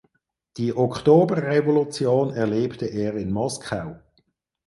Die Oktoberrevolution erlebte er in Moskau.